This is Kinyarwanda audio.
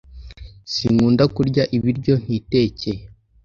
Sinkunda kurya ibiryo ntitekeye